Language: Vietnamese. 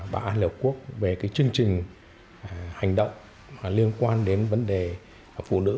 bảo an liên hợp quốc về chương trình hành động liên quan đến vấn đề phụ nữ